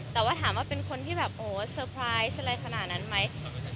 แต่ว่าถามว่าเป็นคนที่แบบโหใสฟรายซะอะไรขนาดนั้นไหม